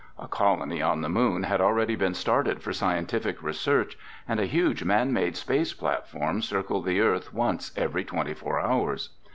A colony on the Moon had already been started for scientific research, and a huge man made space platform circled the Earth once every twenty four hours.